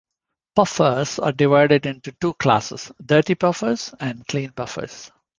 Puffers are divided into two classes, dirty puffers and clean puffers.